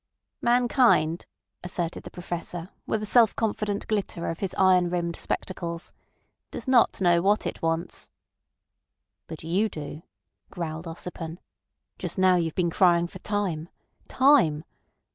"Mankind," asserted the Professor with a self confident glitter of his iron rimmed spectacles, "does not know what it wants." "But you do," growled Ossipon. "Just now you've been crying for time—time.